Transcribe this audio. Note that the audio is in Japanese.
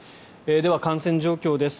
では、感染状況です。